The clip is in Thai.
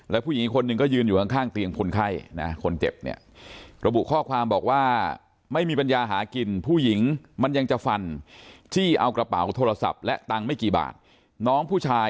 แล้วผู้หญิงคนนึงก็ยืนอยู่ข้างเตียงผัวไข้คนเจ็บเนี่ย